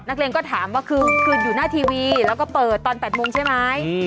นักเรียนก็ถามว่าคืออยู่หน้าทีวีแล้วก็เปิดตอน๘โมงใช่ไหม